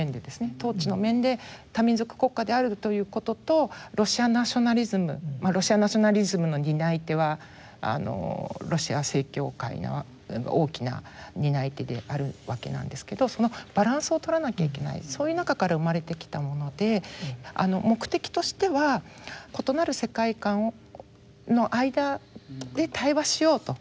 統治の面で多民族国家であるということとロシアナショナリズムロシアナショナリズムの担い手はロシア正教会が大きな担い手であるわけなんですけどそのバランスをとらなきゃいけないそういう中から生まれてきたもので目的としては異なる世界観の間で対話しようというものなんですね。